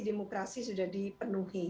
demokrasi sudah dipenuhi